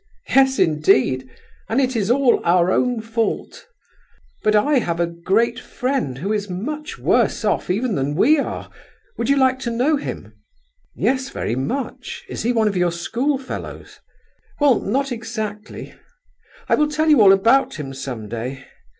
"Yes, indeed, and it is all our own fault. But I have a great friend who is much worse off even than we are. Would you like to know him?" "Yes, very much. Is he one of your school fellows?" "Well, not exactly. I will tell you all about him some day....